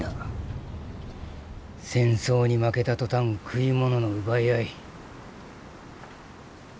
戦争に負けた途端食い物の奪い合い。